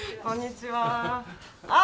こんにちは。